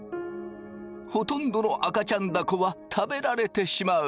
ほとんどの赤ちゃんだこは食べられてしまう。